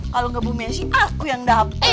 kalo ga bu mensi aku yang dapet